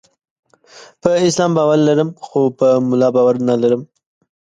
په اسلام باور لرم، خو په مولا باور نلرم.